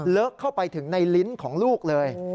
เข้าไปถึงในลิ้นของลูกเลย